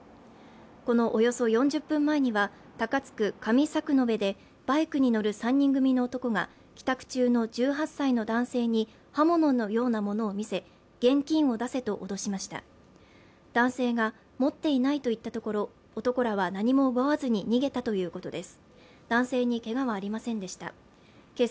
このおよそ４０分前には高津区上作延でバイクに乗る３人組の男が帰宅中の１８歳の男性に刃物のようなものを見せ現金を出せと脅しました男性が持っていないといったところ男らは何も奪わずに逃げたということです